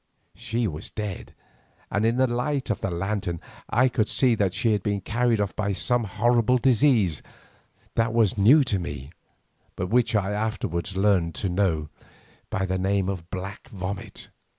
She was dead, and in the light of the lantern I could see that she had been carried off by some horrible disease that was new to me, but which I afterwards learned to know by the name of the Black Vomit.